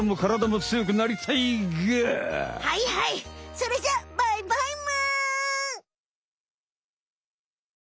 それじゃあバイバイむ！